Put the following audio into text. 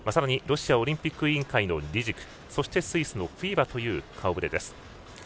ロシアオリンピック委員会のリジクそして、スイスのフィーバという顔ぶれ。